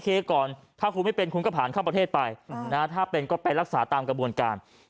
ก่อนถ้าคุณไม่เป็นคุณก็ผ่านเข้าประเทศไปถ้าเป็นก็ไปรักษาตามกระบวนการ